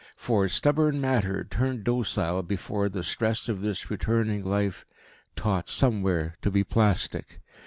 For stubborn matter turned docile before the stress of this returning life, taught somewhere to be plastic.